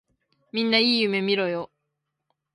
みんないい夢みろよ。